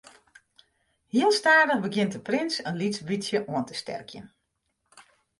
Heel stadich begjint de prins in lyts bytsje oan te sterkjen.